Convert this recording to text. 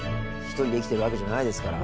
１人で生きてるわけじゃないですから。